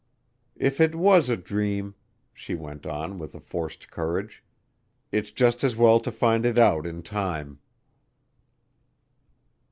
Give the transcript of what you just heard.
"If it was a dream," she went on with a forced courage, "it's just as well to find it out in time."